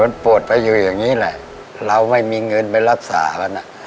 ทับผลไม้เยอะเห็นยายบ่นบอกว่าเป็นยังไงครับ